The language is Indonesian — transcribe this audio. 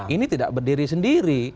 ini tidak berdiri sendiri